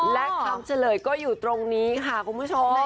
และคำเฉลยก็อยู่ตรงนี้ค่ะคุณผู้ชม